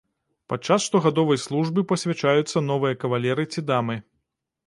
Падчас штогадовай службы пасвячаюцца новыя кавалеры ці дамы.